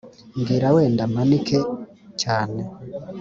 mbwira wenda mpanike cyane